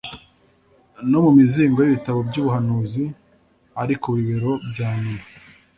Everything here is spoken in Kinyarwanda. no mu mizingo y'ibitabo by'ubuhanuzi. Ari ku bibero bya nyina,